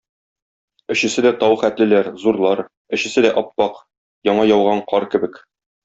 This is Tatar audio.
Өчесе дә тау хәтлеләр, зурлар, өчесе дә ап-ак, яңа яуган кар кебек.